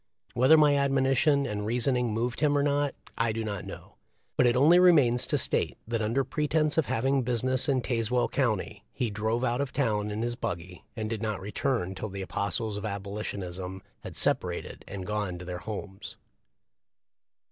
Whether my admoni tion and reasoning moved him or not I do not know, but it only remains to state that under pre tence of having business in Tazewell county he drove out of town in his buggy, and did not return till the apostles of Abolitionism had separated and gone to their homes.